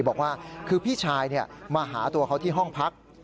บอกว่าคือพี่ชายมาหาตัวเขาที่ห้องพัก